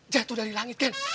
jatuh dari langit kan